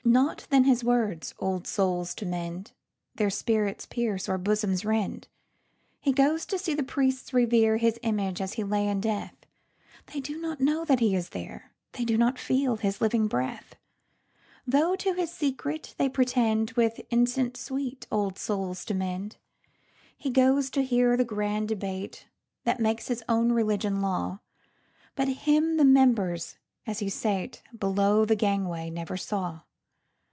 Not then his words, "Old souls to mend!"Their spirits pierce or bosoms rend. He goes to see the priests revereHis image as he lay in death:They do not know that he is there; They do not feel his living breath, Though to his secret they pretendWith incense sweet, old souls to mend. He goes to hear the grand debateThat makes his own religion law; But him the members, as he sateBelow the gangway, never saw.